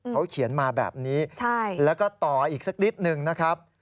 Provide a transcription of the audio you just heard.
เขาเขียนมาแบบนี้แล้วก็ต่ออีกสักนิดหนึ่งนะครับ